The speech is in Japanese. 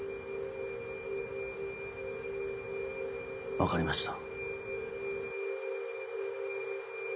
分かりました。